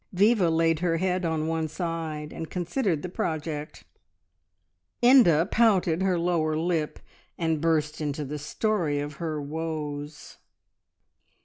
Viva laid her head on one side and considered the project. Inda pouted her lower lip, and burst into the story of her woes.